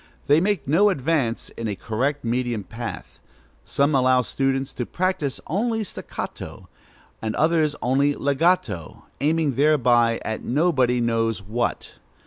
They make no advance in a correct medium path. Some allow pupils to practise only staccato, and others only legato, aiming thereby at nobody knows what.